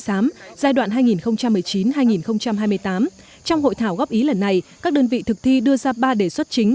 sám giai đoạn hai nghìn một mươi chín hai nghìn hai mươi tám trong hội thảo góp ý lần này các đơn vị thực thi đưa ra ba đề xuất chính